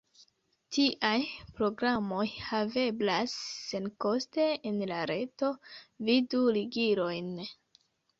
Tiaj programoj haveblas senkoste en la reto, vidu ligilojn.